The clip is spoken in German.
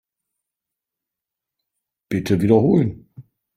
Bitte wiederholen.